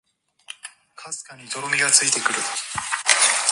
Presidents Jimmy Carter and Ronald Reagan have both owned Maloof rockers.